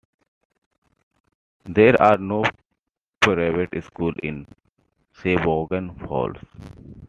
There are no private schools in Sheboygan Falls.